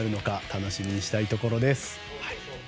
楽しみにしたいところです。